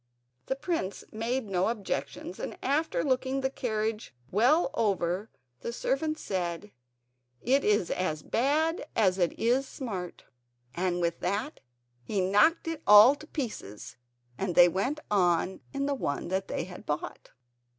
The prince made no objections, and after looking the carriage well over the servant said: "It is as bad as it is smart"; and with that he knocked it all to pieces, and they went on in the one that they had bought.